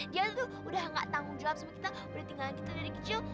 dia tuh udah nggak tanggung jawab sama kita udah tinggalan kita dari kecil